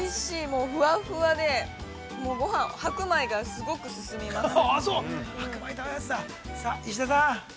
もう、ふわふわでごはん、白米がすごく進みます。